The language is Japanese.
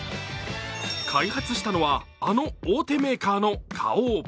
開発したのはあの大手メーカーの花王。